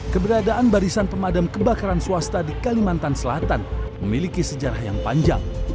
keberadaan barisan pemadam kebakaran swasta di kalimantan selatan memiliki sejarah yang panjang